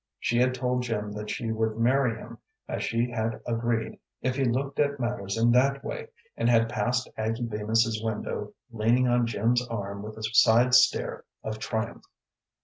She had told Jim that she would marry him as she had agreed if he looked at matters in that way, and had passed Aggie Bemis's window leaning on Jim's arm with a side stare of triumph.